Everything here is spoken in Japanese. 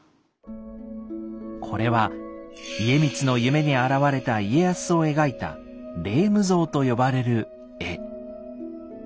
これは家光の夢に現れた家康を描いた「霊夢像」と呼ばれる絵。